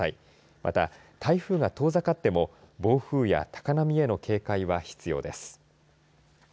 また、台風が遠ざかっても暴風や高波への警戒は必要です。